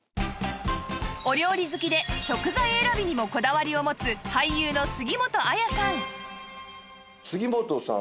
お料理好きで食材選びにもこだわりを持つ俳優の杉本彩さん